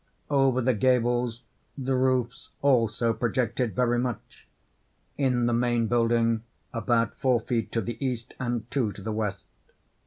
Over the gables the roofs also projected very much:—in the main building about four feet to the east and two to the west.